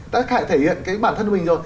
đã là thể hiện cái bản thân của mình rồi